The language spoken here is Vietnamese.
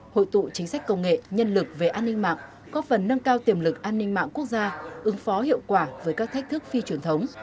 hội tụ chính sách công nghệ nhân lực về an ninh mạng góp phần nâng cao tiềm lực an ninh mạng quốc gia ứng phó hiệu quả với các thách thức phi truyền thống